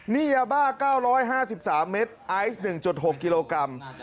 นี่ยาบ้า๙๕๓เมตรไอซ์๑๖กิโลกรัม